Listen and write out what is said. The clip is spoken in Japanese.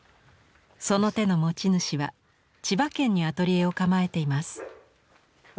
その手の持ち主は千葉県にアトリエを構えています。